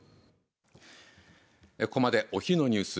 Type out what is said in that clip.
ここまでお昼のニュース